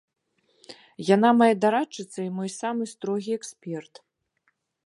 Яна мая дарадчыца і мой самы строгі эксперт.